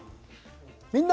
「みんな！